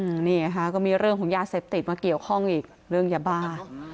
อืมนี่ไงค่ะก็มีเรื่องของยาเสพติดมาเกี่ยวข้องอีกเรื่องยาบ้า